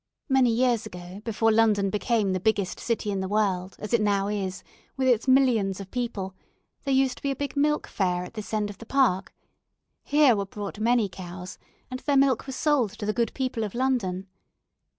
Many years ago, before London became the biggest city in the world, as it now is, with its millions of people, there used to be a big 'Milk Fair' at this end of the park. Here were brought many cows, and their milk was sold to the good people of London.